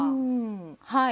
はい。